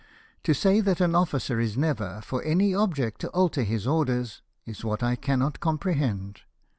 To say that an officer is never, for any object, to alter his orders, is what I cannot compre hend.